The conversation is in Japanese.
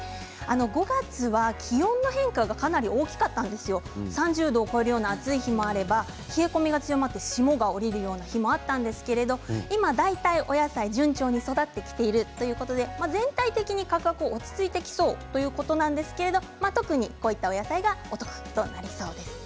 ５月は気温の変化がかなり大きくて３０度を超えるような暑い日もあれば今、冷え込みが強まって霜も降りる日もありましたがお野菜は大体、順調に育ってきているということで価格も落ち着いてきそうというところなんですがその中でも、こういったお野菜がお得ということになりそうです。